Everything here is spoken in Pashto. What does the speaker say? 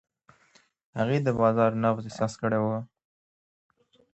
هغې د بازار نبض احساس کړی و.